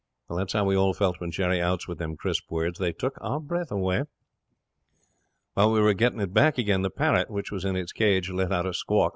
That's how we all felt when Jerry outs with them crisp words. They took our breath away. 'While we were getting it back again the parrot, which was in its cage, let out a squawk.